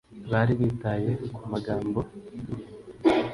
bari bitaye ku magambo ye